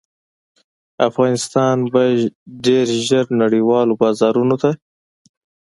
افغانستان به ډیر ژر نړیوالو بازارونو ته